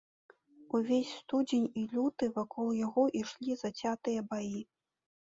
Увесь студзень і люты вакол яго ішлі зацятыя баі.